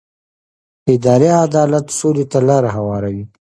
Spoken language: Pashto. اداري عدالت سولې ته لاره هواروي